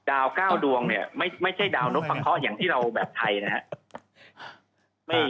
ดาว๙ดวงไม่ใช่ดาวนกฟังเคาะอย่างที่เราแบบไทยนะครับ